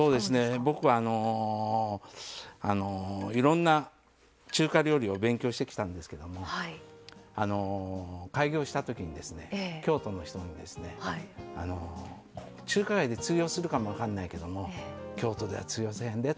僕はいろんな中華料理を勉強してきたんですけども開業した時にですね京都の人に中華街で通用するかも分かんないけども京都では通用せえへんでと。